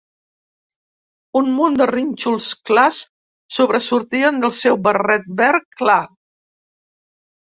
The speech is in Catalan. Un munt de rínxols clars sobresortien del seu barret verd clar!